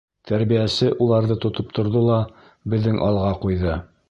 Тәрбиәсе уларҙы тотоп торҙо ла беҙҙең алға ҡуйҙы.